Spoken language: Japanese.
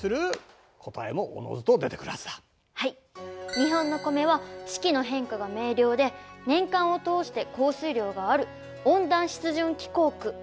日本のお米は四季の変化が明瞭で年間を通して降水量がある温暖湿潤気候区。